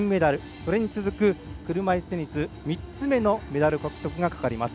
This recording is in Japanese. それに続く車いすテニス３つ目のメダル獲得がかかります。